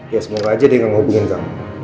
ya semoga aja dia gak ngubungin kamu